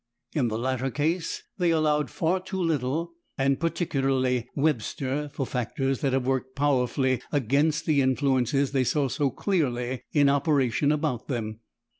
In the latter case, they allowed far too little (and particularly Webster) for factors that have worked powerfully against the influences they saw so clearly in operation about them.